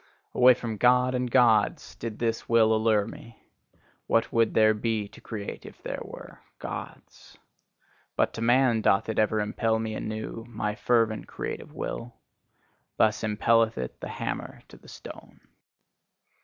Away from God and Gods did this will allure me; what would there be to create if there were Gods! But to man doth it ever impel me anew, my fervent creative will; thus impelleth it the hammer to the stone.